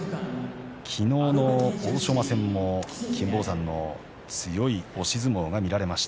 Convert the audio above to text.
昨日の欧勝馬戦も金峰山の強い押し相撲が見られました。